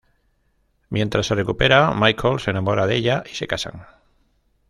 Mientras se recupera, Michael se enamora de ella y se casan.